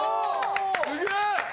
すげえ！